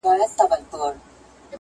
یو څه اشتباهات او غلطۍ موجودي دي